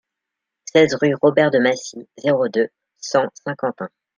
seize rue Robert de Massy, zéro deux, cent Saint-Quentin